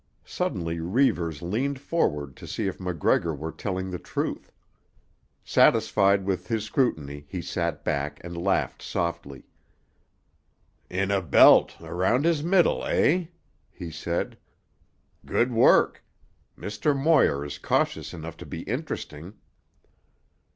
Suddenly Reivers leaned forward to see if MacGregor were telling the truth. Satisfied with his scrutiny he sat back and laughed softly. "In a belt, around his middle, eh?" he said. "Good work. Mr. Moir is cautious enough to be interesting."